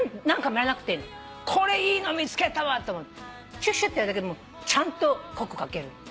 シュッシュッてやるだけでちゃんと濃く描ける。